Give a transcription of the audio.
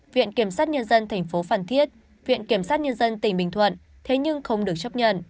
viện kiểm sát nhân dân tp phan thiết viện kiểm sát nhân dân tp bình thuận thế nhưng không được chấp nhận